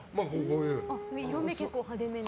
色味は結構派手めな。